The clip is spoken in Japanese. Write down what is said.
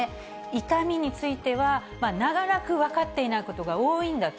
痛みについては、長らく分かっていないことが多いんだと。